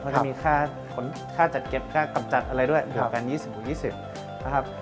เพราะจะมีค่าจัดเก็บค่ากับจัดอะไรด้วยเดี๋ยวกัน๒๐บูรณ์๒๐ครับ